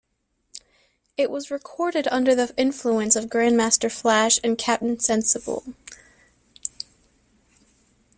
It was recorded under the influence of Grandmaster Flash and Captain Sensible.